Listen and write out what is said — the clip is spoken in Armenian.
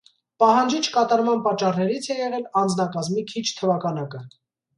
Պահանջի չկատարման պատճառներից է եղել անձնակազմի քիչ թվաքանակը։